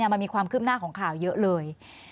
มันมีความคืบหน้าของข่าวเยอะเลย